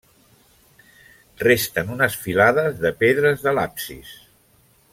Resten unes filades de pedres de l'absis.